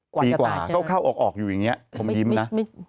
กว่าปีกว่าก็เข้าออกอยู่อย่างนี้ผมยิ้มนะ